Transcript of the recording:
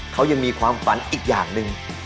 เขายังมีความฝันอีกอย่างหนึ่ง